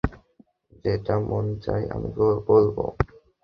যেটা মন চায় আমি বলবো।